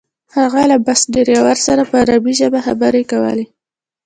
هغه له بس ډریور سره په عربي ژبه خبرې کولې.